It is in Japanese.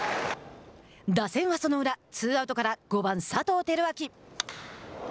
打線はその裏ツーアウトから５番佐藤輝明。